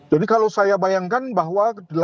jadi kalau saya bayangkan bahwa